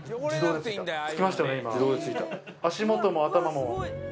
足元も頭も。